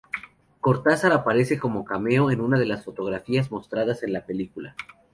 Cortázar aparece como cameo en una de las fotografías mostradas en la película.